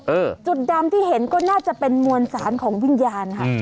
จุดดำที่เห็นก็น่าจะเป็นมวลสารของวิญญาณค่ะ